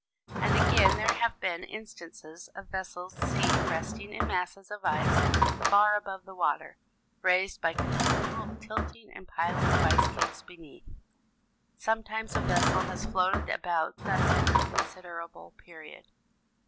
And again there have been instances of vessels seen resting in masses of ice far above the water, raised by continual tilting and piling of ice cakes beneath. Sometimes a vessel has floated about thus for a considerable period.